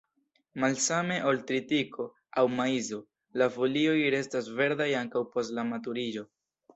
Malsame ol tritiko aŭ maizo, la folioj restas verdaj ankaŭ post la maturiĝo.